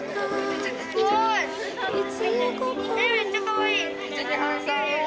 めっちゃかわいい！